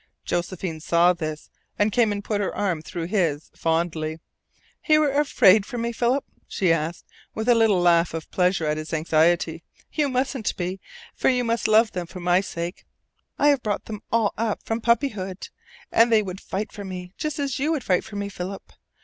Josephine saw this, and came and put her arm through his fondly. "You are afraid for me, Philip?" she asked, with a little laugh of pleasure at his anxiety. "You mustn't be, for you must love them for my sake. I have brought them all up from puppyhood. And they would fight for me just as you would fight for me, Philip.